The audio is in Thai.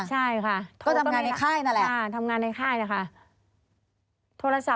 ใช่ค่ะ